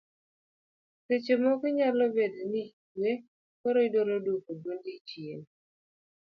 seche moko nyalo bedo ni ikwe koro idwaro duoko duondi chien